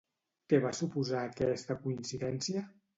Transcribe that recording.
Què va suposar aquesta coincidència?